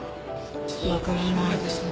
ちょっとわからないですね。